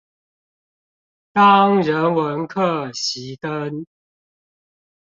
當人文課熄燈